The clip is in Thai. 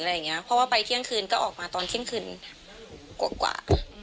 เพราะว่าไปเที่ยงคืนก็ออกมาตอนเที่ยงคืนกว่า